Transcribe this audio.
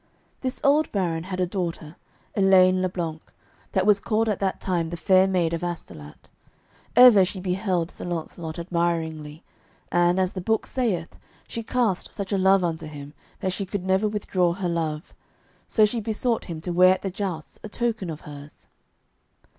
This old baron had a daughter, Elaine le Blank, that was called at that time the Fair Maid of Astolat. Ever she beheld Sir Launcelot admiringly, and, as the book saith, she cast such a love unto him that she could never withdraw her love, so she besought him to wear at the jousts a token of hers.